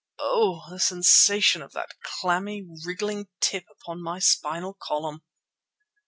Oh! the sensation of that clammy, wriggling tip upon my spinal column!